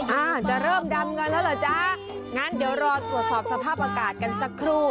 อ่าจะเริ่มดำกันแล้วเหรอจ๊ะงั้นเดี๋ยวรอตรวจสอบสภาพอากาศกันสักครู่